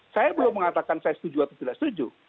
saya belum mengatakan saya setuju atau tidak setuju